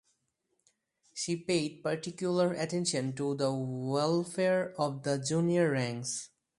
She paid particular attention to the welfare of the junior ranks.